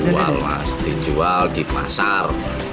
dijual mas dijual di pasar